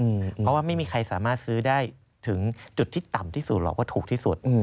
เพราะว่าไม่มีใครสามารถซื้อได้ถึงจุดที่ต่ำที่สุดหรอกว่าถูกที่สุด